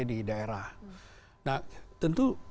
di daerah nah tentu